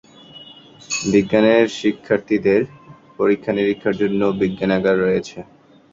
বিজ্ঞানের শিক্ষার্থীদের পরীক্ষা-নিরীক্ষার জন্য বিজ্ঞানাগার রয়েছে।